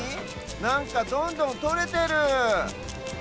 なんかどんどんとれてる！